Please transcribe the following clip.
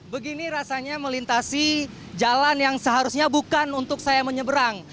begini rasanya melintasi jalan yang seharusnya bukan untuk saya menyeberang